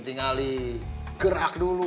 tinggal gerak dulu